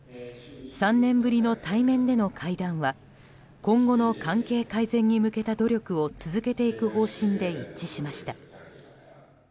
３年ぶりの対面での会談は今後の関係改善に向けた努力を続けていく方針で一致しました。